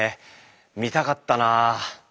見たかったなあ。